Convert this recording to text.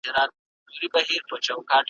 لوند ګرېوان مي دی راوړی زمانې چي هېر مي نه کې ,